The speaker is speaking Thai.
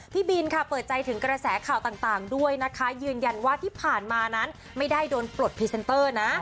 พี่บินค่ะเปิดใจถึงกระแสข่าวต่างด้วยนะคะยืนยันว่าที่ผ่านมานั้นไม่ได้โดนปลดพรีเซนเตอร์นะ